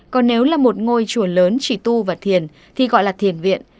còn nếu là một ngôi chùa lớn chỉ tu và thiền thì gọi là thiền viện